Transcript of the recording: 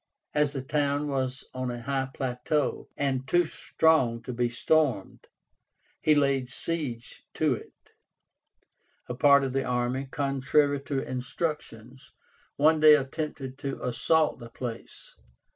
As the town was on a high plateau, and too strong to be stormed, he laid siege to it. A part of the army, contrary to instructions, one day attempted to assault the place.